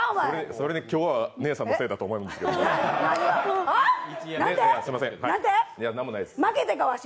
それで今日は姉さんのせいだと思いなんて？